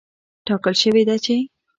ټاکل شوې ده چې